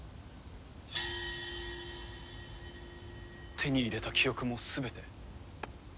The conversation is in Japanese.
手に入れた記憶も全て。